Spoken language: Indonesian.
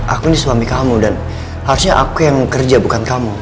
aku ini suami kamu dan harusnya aku yang kerja bukan kamu